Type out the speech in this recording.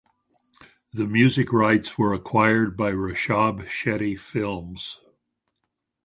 The music rights were acquired by Rishab Shetty Films.